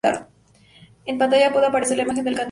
En pantalla puede aparecer la imagen del candidato.